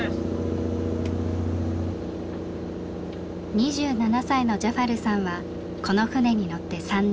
２７歳のジャファルさんはこの船に乗って３年。